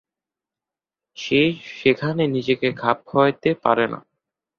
সে সেখানে নিজেকে খাপ খাওয়াতে পারে না।